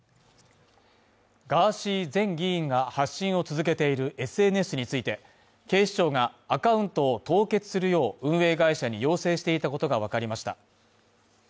ガーシー前議員が発信を続けているＳＮＳについて、警視庁がアカウントを凍結するよう運営会社に要請していたことがわかりました。